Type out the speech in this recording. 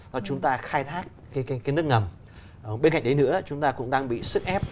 bên cạnh đấy nữa chúng ta cũng đang bị sức ép